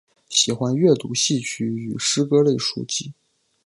喜欢阅读戏曲与诗歌类书籍。